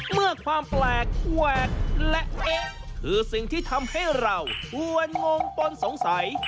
ความแปลกแหวกและเอ๊ะคือสิ่งที่ทำให้เราชวนงงปนสงสัย